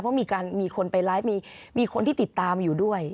เพราะมีคนไปไลฟ์มีคนที่ติดตามอยู่ด้วย